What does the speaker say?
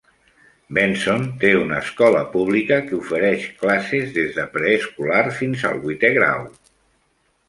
Benson té una escola pública, que ofereix classes des de preescolar fins al vuitè grau.